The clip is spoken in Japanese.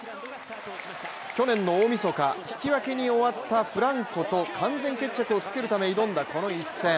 去年の大みそか、引き分けに終わったフランコと完全決着をつけるため挑んだこの一戦。